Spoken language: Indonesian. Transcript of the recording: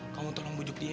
kamu tolong bujuk dia ya